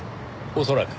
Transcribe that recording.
恐らく。